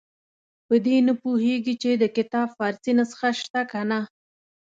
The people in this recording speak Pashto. په دې نه پوهېږي چې د کتاب فارسي نسخه شته که نه.